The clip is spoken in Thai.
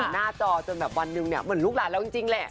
หน้าจอจนแบบวันหนึ่งเนี่ยเหมือนลูกหลานเราจริงแหละ